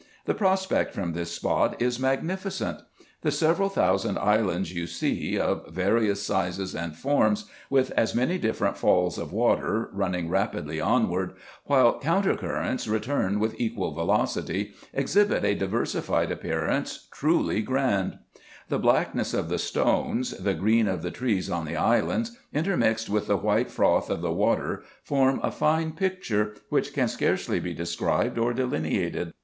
The prospect from this spot is magnificent. The several thousand islands you see, of N 90 RESEARCHES AND OPERATIONS various sizes and forms, with as many different falls of water, running rapidly onward, while counter currents return with equal velocity, exhibit a diversified appearance, truly grand. The black ness of the stones, the green of the trees on the islands, intermixed with the white froth of the water, form a fine picture, which can scarcely be described or delineated.